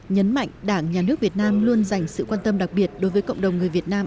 nhấn mạnh đảng nhà nước việt nam luôn dành sự quan tâm đặc biệt đối với cộng đồng người việt nam